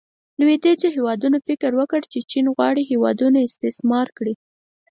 لویدیځو هیوادونو فکر وکړو چې چین غواړي هیوادونه استثمار کړي.